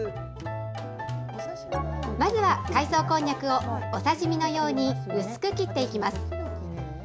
まずは海藻こんにゃくをお刺身のように薄く切っていきます。